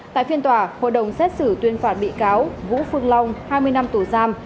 tại phiên tòa hội đồng xét xử tuyên phạt bị cáo vũ phương long hai mươi năm tù giam